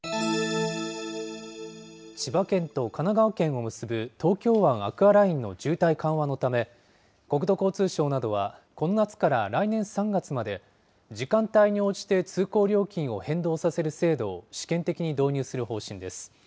千葉県と神奈川県を結ぶ東京湾アクアラインの渋滞緩和のため、国土交通省などは、この夏から来年３月まで時間帯に応じて通行料金を変動させる制度を試験的に導入する方針です。